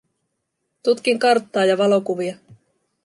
Tutkin karttaa ja valokuvia.